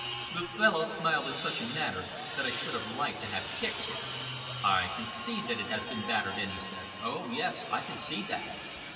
The fellow smiled in such a manner, that I should have liked to have kicked him. "I can see that it has been battered in," he said. "Oh! yes! I can see that!"